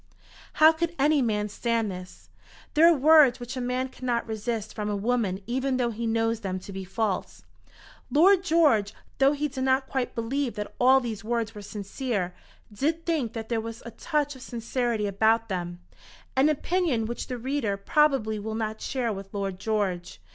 How could any man stand this? There are words which a man cannot resist from a woman even though he knows them to be false. Lord George, though he did not quite believe that all these words were sincere, did think that there was a touch of sincerity about them an opinion which the reader probably will not share with Lord George.